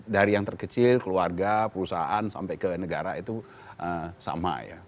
dari yang terkecil keluarga perusahaan sampai ke negara itu sama ya